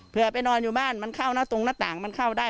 เพื่อไปนอนอยู่บ้านมันเข้านะตรงหน้าต่างมันเข้าได้